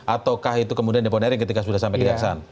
ataukah itu kemudian depon airing ketika sudah sampai kejaksaan